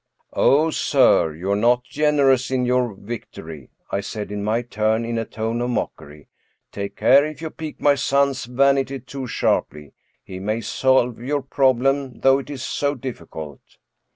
^'" Oh, sir ! you are not generous in your victory," I said, in my turn, in a tone of mockery. "Take care; if you pique my son's vanity too sharply, he may solve your prob lem, though it is so difficult."